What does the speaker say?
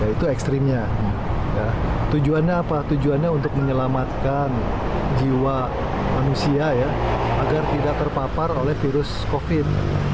itu ekstrimnya tujuannya apa tujuannya untuk menyelamatkan jiwa manusia ya agar tidak terpapar oleh virus covid